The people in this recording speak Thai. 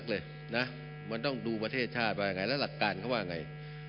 มันบังคับผมมากนักเลยมันต้องดูประเทศชาติว่าไงและหลักการเขาว่าไง